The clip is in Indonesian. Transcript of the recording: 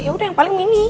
ya udah yang paling mini